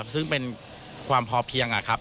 ซึ่งเป็นความพอเพียงอะครับ